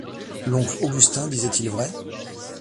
L'oncle Augustin disait-il vrai ?